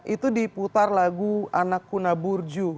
itu diputar lagu anak kuna burju